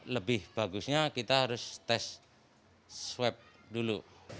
lebih bagusnya kita harus tes swab dulu